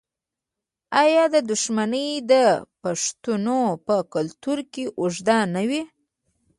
آیا دښمني د پښتنو په کلتور کې اوږده نه وي؟